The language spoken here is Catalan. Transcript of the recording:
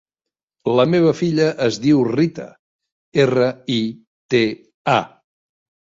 La meva filla es diu Rita: erra, i, te, a.